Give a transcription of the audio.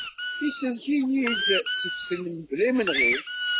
Isellek-iyi-d seg-sen mebla imenɣi.